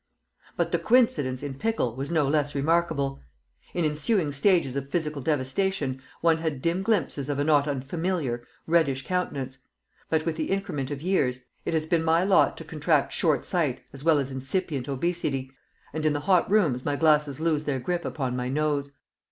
But the coincidence in pickle was no less remarkable. In ensuing stages of physical devastation one had dim glimpses of a not unfamiliar, reddish countenance; but with the increment of years it has been my lot to contract short sight as well as incipient obesity, and in the hot rooms my glasses lose their grip upon my nose.